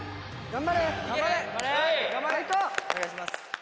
お願いします。